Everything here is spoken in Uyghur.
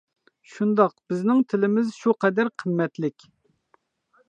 شۇنداق، بىزنىڭ تىلىمىز شۇ قەدەر قىممەتلىك.